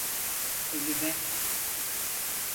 Ölüme!